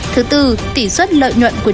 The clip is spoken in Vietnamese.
thứ bốn tỷ suất lợi nhuận của